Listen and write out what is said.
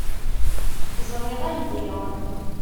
Ẓṛiɣ aydi.